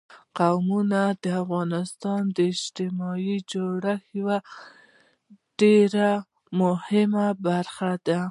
قومونه د افغانستان د اجتماعي جوړښت یوه ډېره مهمه برخه ده.